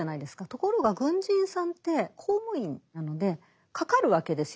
ところが軍人さんって公務員なのでかかるわけですよ